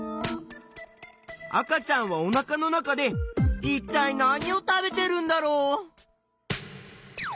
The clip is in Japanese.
赤ちゃんはおなかの中でいったい何を食べてるんだろう？